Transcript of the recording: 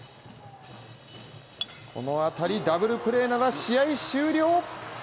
この当たり、ダブルプレーなら試合終了。